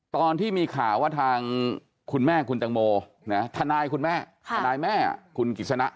ตอนที่มีข่าวว่าทางคุณแม่คุณตังโมทนายคุณแม่ทนายแม่คุณกิจสนะ